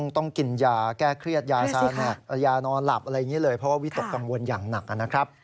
ต้องกินยาแก้เครียดยานอนหลับอะไรอย่างนี้เลยเพราะว่าวิตกกังวลอย่างหนักนะครับ